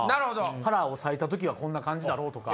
腹を裂いた時はこんな感じだろうとか。